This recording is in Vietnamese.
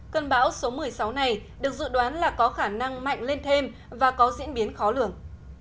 cơn bão số một mươi sáu này được dự đoán là có khả năng mạnh lên thêm và có diễn biến khó lường